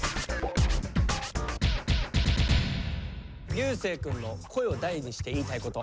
竜生くんの「声を大にして言いたいこと」